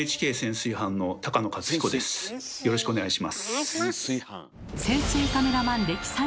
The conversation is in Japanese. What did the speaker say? よろしくお願いします。